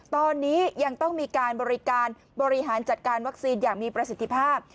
ตอนนี้ยังต้องมีการบริการบริหารจัดการวัคซีนอย่างมีประสิทธิภาพ